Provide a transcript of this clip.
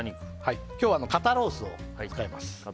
今日は肩ロースを使います。